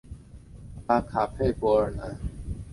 拉卡佩尔博南克人口变化图示